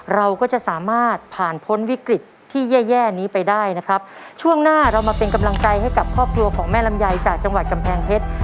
เราก็จะสามารถผ่านพ้นวิกฤตที่แย่แย่นี้ไปได้นะครับช่วงหน้าเรามาเป็นกำลังใจให้กับครอบครัวของแม่ลำไยจากจังหวัดกำแพงเพชร